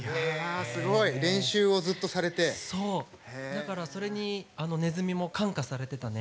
だからそれにねずみも感化されてたね。